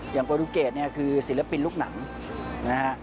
โปรตูเกตเนี่ยคือศิลปินลูกหนังนะฮะ